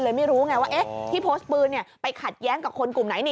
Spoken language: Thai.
ไม่รู้ไงว่าที่โพสต์ปืนไปขัดแย้งกับคนกลุ่มไหน